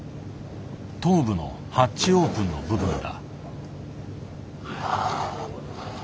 頭部のハッチオープンの部分だ。